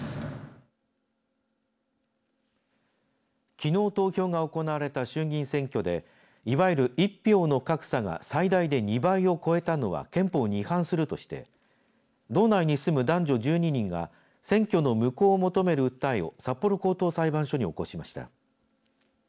きのう投票が行われた衆議院選挙でいわゆる１票の格差が最大で２倍を超えたのは憲法に違反するとして道内に住む男女１２人が選挙の無効を求める訴えを札幌高等裁判所に起こしました。